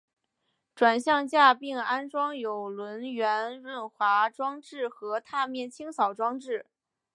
转向架并安装有轮缘润滑装置和踏面清扫装置。